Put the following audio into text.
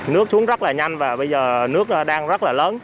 nước xuống rất là nhanh và bây giờ nước đang rất là lớn